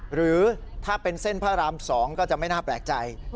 หรือถ้าเป็นเส้นพระราม๒ก็จะไม่น่าแปลกใจ